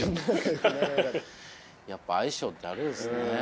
やっぱ相性ってあるんですね。